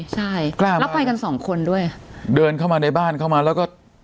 ใช่ครับแล้วไปกันสองคนด้วยเดินเข้ามาในบ้านเข้ามาแล้วก็